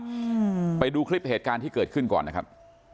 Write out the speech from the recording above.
อืมไปดูคลิปเหตุการณ์ที่เกิดขึ้นก่อนนะครับ